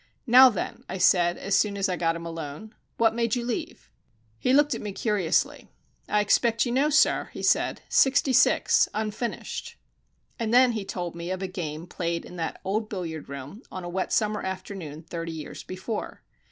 "Now, then," I said, as soon as I had got him alone, "what made you leave?" He looked at me curiously. "I expect you know, sir," he said. "Sixty six. Unfinished." And then he told me of a game played in that old billiard room on a wet summer afternoon thirty years before.